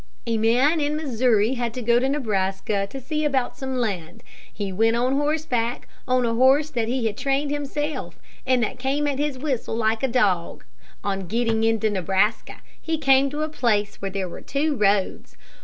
"A man in Missouri had to go to Nebraska to see about some land. He went on horseback, on a horse that he had trained himself, and that came at his whistle like a dog. On getting into Nebraska, he came to a place where there were two roads.